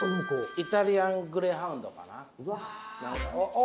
イタリアン・グレーハウンドかな？